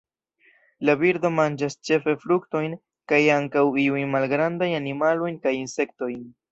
La birdo manĝas ĉefe fruktojn kaj ankaŭ iujn malgrandajn animalojn kaj insektojn.